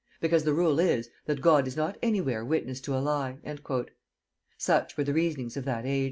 Because the rule is, that God is not any where witness to a lie." Such were the reasonings of that age.